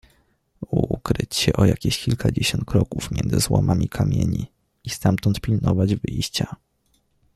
Uukryć się o jakieś kilkadziesiąt kroków między złomami kamieni i stamtąd pilnować wyjścia.